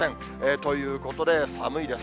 ということで、寒いです。